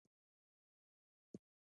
هامون جهیلونه ولې د چاپیریال لپاره مهم دي؟